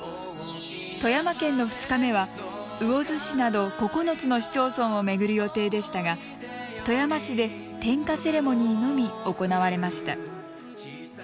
富山県の２日目は魚津市など９つの市町村を巡る予定でしたが富山市で点火セレモニーのみ行われました。